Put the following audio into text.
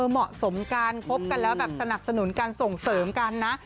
เหมาะสมกันคบกันแล้วทรนักสนุนกันส่งเฉินกันนะ